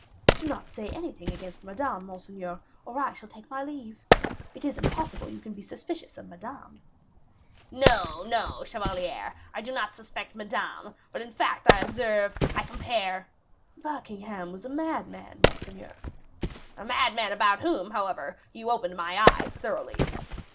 "Do not say anything against Madame, monseigneur, or I shall take my leave. It is impossible you can be suspicious of Madame?" "No, no, chevalier; I do not suspect Madame; but in fact, I observe I compare " "Buckingham was a madman, monseigneur." "A madman about whom, however, you opened my eyes thoroughly."